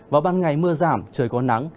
vào ban ngày mưa giảm trời có nắng